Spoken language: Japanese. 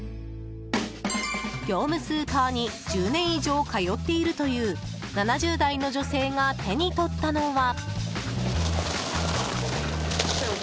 業務スーパーに１０年以上通っているという７０代の女性が手に取ったのは。